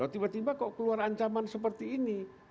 tiba tiba kok keluar ancaman seperti ini